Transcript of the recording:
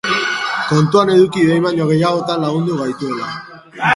Kontuan eduki behin baino gehiagotan lagundu gaituela.